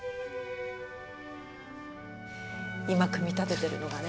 今組み立ててるのがね